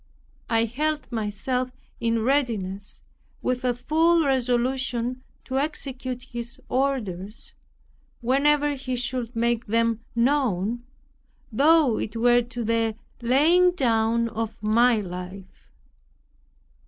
I held myself in readiness with a full resolution to execute His orders, whenever he should make them known, though it were to the laying down of my life.